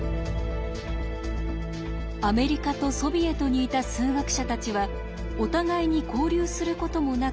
アメリカとソビエトにいた数学者たちはお互いに交流することもなく